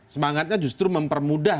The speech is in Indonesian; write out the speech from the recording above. semangatnya justru mempermudah